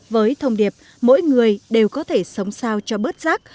với thông điệp mỗi người đều có thể sống sao cho bớt rác